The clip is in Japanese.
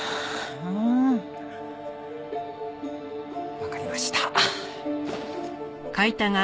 わかりました。